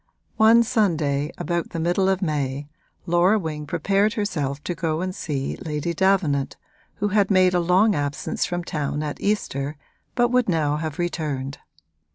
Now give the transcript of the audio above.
One Sunday, about the middle of May, Laura Wing prepared herself to go and see Lady Davenant, who had made a long absence from town at Easter but would now have returned.